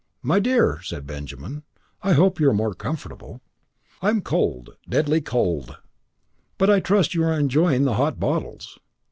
"My dear," said Benjamin, "I hope you are more comfortable." "I'm cold, deadly cold." "But I trust you are enjoying the hot bottles."